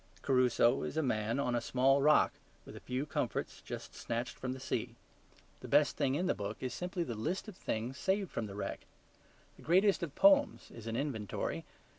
Crusoe is a man on a small rock with a few comforts just snatched from the sea: the best thing in the book is simply the list of things saved from the wreck. The greatest of poems is an inventory.